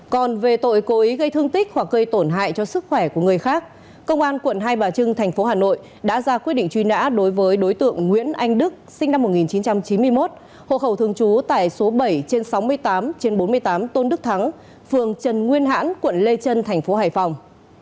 còn về tội cố ý gây thương tích hoặc gây tổn hại cho sức khỏe của người khác công an quận hai bà trưng thành phố hà nội đã ra quyết định truy nã đối với đối tượng nguyễn anh đức sinh năm một nghìn chín trăm chín mươi một hộ khẩu thường trú tại số bảy trên sáu mươi tám bốn mươi tám tôn đức thắng phường trần nguyên hãn quận lê trân thành phố hải phòng